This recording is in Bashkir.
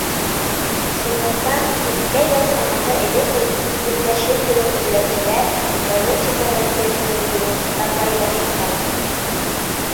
Шунлыҡтан тиҫтә йыл самаһы элек үк үҙнәшер юлын эҙләүселәр район типографияһының юлын тапай башлағайны.